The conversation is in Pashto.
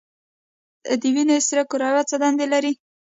د وینې سره کرویات څه دنده لري؟